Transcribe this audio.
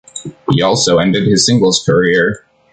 He also ended his singles career.